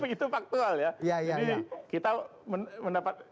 jadi kita mendapat